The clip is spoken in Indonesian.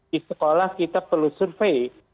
di sekolah kita perlu survei